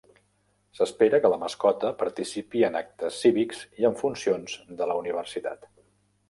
S"espera que la mascota participi en actes cívics i en funcions de la universitat.